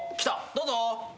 どうぞ。